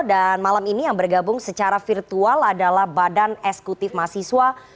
dan malam ini yang bergabung secara virtual adalah badan esekutif mahasiswa